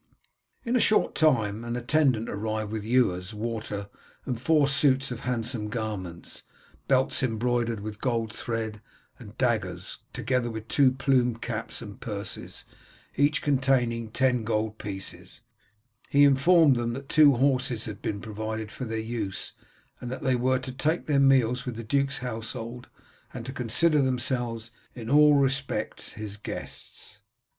In a short time an attendant arrived with ewers, water, and four suits of handsome garments, belts embroidered with gold thread, and daggers, together with two plumed caps and purses, each containing ten gold pieces; he informed them that two horses had been provided for their use, and that they were to take their meals with the duke's household, and to consider themselves in all respects as his guests.